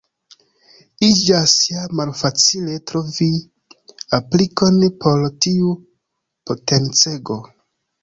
Iĝas ja malfacile trovi aplikon por tiu potencego.